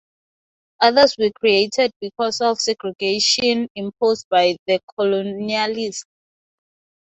Others were created because of segregation imposed by the colonialists.